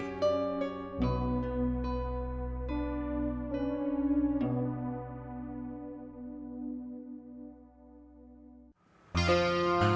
bapak men aa